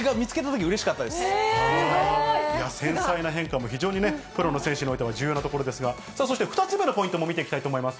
繊細な変化も非常にね、プロの選手においては重要なところですが、そして２つ目のポイントも見ていきたいと思います。